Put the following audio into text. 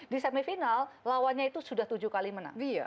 di semifinal lawannya itu sudah tujuh kali menang